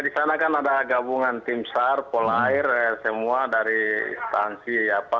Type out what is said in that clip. di sana kan ada gabungan tim sar polair semua dari instansi